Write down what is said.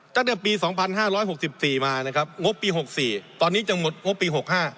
ตั้งแต่ปี๒๕๖๔มานะครับงบปี๖๔ตอนนี้จะหมดงบปี๖๕